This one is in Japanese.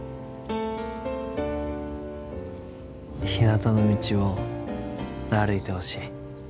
ひなたの道を歩いてほしい。